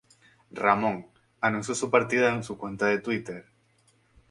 Ramón, anunció su partida en su cuenta de Twitter.